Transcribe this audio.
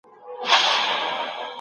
خو د سپي د ژوند موده وه پوره سوې